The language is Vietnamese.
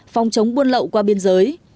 phòng chống buôn lậu qua biên giới